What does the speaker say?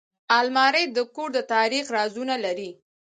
الماري د کور د تاریخ رازونه لري